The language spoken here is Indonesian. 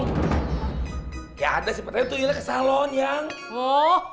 gak ada sih padahal tuyulnya ke salon yang